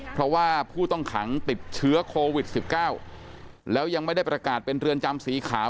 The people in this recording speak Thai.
เพราะว่าผู้ต้องขังติดเชื้อโควิด๑๙แล้วยังไม่ได้ประกาศเป็นเรือนจำสีขาว